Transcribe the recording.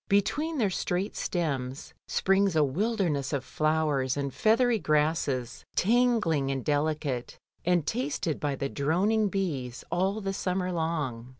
Between their straight stems springs a wilderness of flowers and feathery grasses, tangling and delicate, and tasted by the droning bees 'all the summer long.